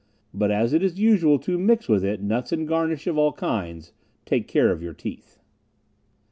But as it is usual to mix with it nuts and garnish of all kinds, take care of your teeth."